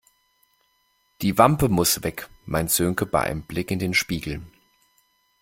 Die Wampe muss weg, meint Sönke bei einem Blick in den Spiegel.